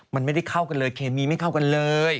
มันไม่ได้เข้ากันเลยเคมีไม่เข้ากันเลย